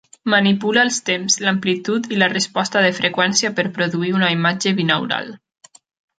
Manipula els temps, l'amplitud i la resposta de freqüència per produir una imatge binaural.